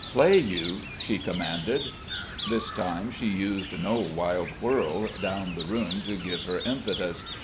"Play, you!" she commanded. This time she used no wild whirl down the room to give her impetus.